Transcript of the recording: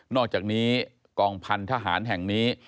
อกจากนี้กองพันธหารแห่งนี้